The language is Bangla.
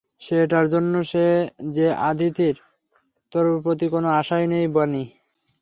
সে এটার জন্য যে আদিতির তোর প্রতি কোন আশাই নেই, বানি!